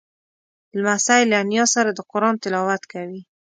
لمسی له نیا سره د قرآن تلاوت کوي.